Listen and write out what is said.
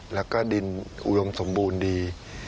แล้วก็ดินอุดมสมบูรณ์ดี